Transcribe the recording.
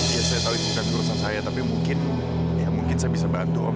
ya saya tahu ini bukan urusan saya tapi mungkin ya mungkin saya bisa bantu om